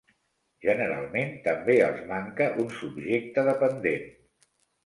Generalment, també els manca un subjecte dependent.